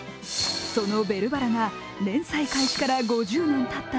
その「ベルばら」が連載開始から５０年たった